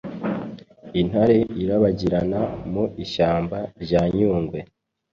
Intare irabagirana mu ishyamba rya nyungwe